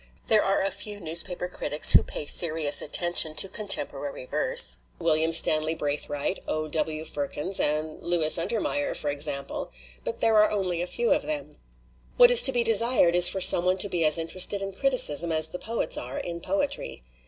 There are a few newspaper critics who pay serious attention to contemporary verse William Stanley Braith walte, O. W. Firkins, and Louis Untermeyer, for example but there are only a few of them. "What is to be desired is for some one to be as interested in criticism as the poets are in poetry.